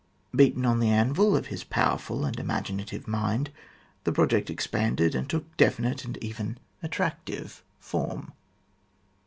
Beaten on the anvil of his powerful and imaginative mind the project expanded, and took definite and even attractive form.